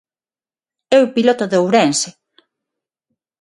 É o piloto de Ourense.